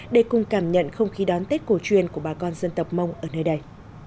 để cùng cảm nhận không khí đón tết cổ truyền của bà con dân tộc mông ở nơi đây